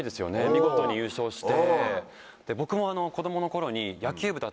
見事に優勝して。